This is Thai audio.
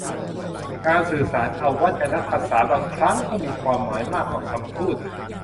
การสื่อสารอวัจนภาษาบางครั้งก็มีความหมายมากกว่าคำพูด